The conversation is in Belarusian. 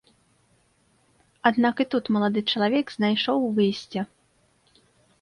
Аднак і тут малады чалавек знайшоў выйсце.